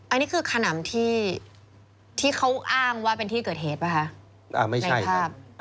อันนี้คือขนำที่เขาอ้างว่าเป็นที่เกิดเหตุป่ะคะในภาพ